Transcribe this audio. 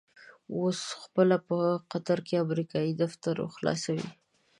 اوس په خپله په قطر کې امريکايي دفتر خلاصوي.